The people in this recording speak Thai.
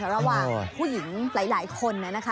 ระหว่างผู้หญิงหลายคนนะคะ